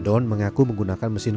edon mengaku menggunakan mesin